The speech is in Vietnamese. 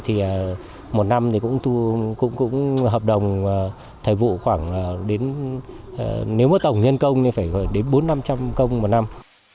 thì một năm thì cũng hợp đồng thời vụ khoảng đến nếu mà tổng nhân công thì phải gửi đến bốn năm trăm linh công một năm